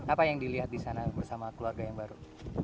apa yang dilihat di sana bersama keluarga yang baru